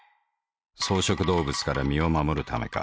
草食動物から身を護るためか。